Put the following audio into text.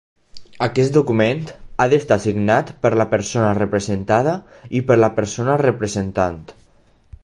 Aquest document ha d'estar signat per la persona representada i per la persona representant.